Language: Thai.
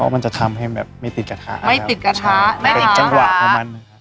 อ๋อมันจะทำให้ไม่ติดกระทะหรือเป็นหัวไอมัน